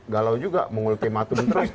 galau juga mengultimatum terus